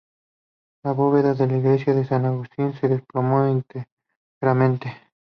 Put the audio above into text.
La bóveda de la iglesia de San Agustín se desplomó íntegramente.